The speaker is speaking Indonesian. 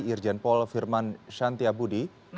irjen paul firman shantyabudi